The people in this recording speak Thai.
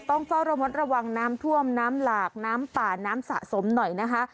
ต้องเฝ้าระมัดระวังน้ำท่วมน้ำหลากน้ำป่าน้ำสะสมหน่อยนะคะ